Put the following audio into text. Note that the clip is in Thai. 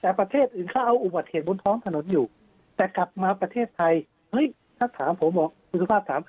แต่ประเทศอื่นเขาเอาอุบัติเหตุบนท้องถนนอยู่แต่กลับมาประเทศไทยเฮ้ยถ้าถามผมบอกคุณสุภาพถาม